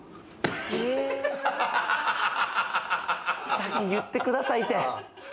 先に言ってくださいって！